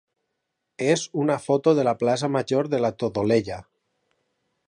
és una foto de la plaça major de la Todolella.